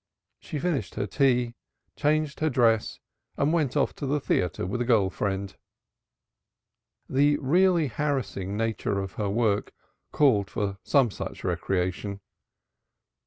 She finished her tea, changed her dress and went off to the theatre with a girl friend. The really harassing nature of her work called for some such recreation.